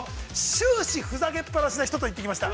終始ふざけっぱなしの人と行ってきました。